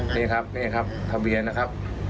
นี่ครับนี่ครับทะเบียนนะครับ